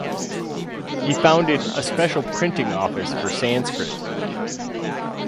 He founded a special printing office for Sanskrit.